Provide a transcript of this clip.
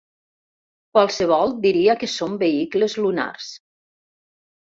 Qualsevol diria que són vehicles lunars.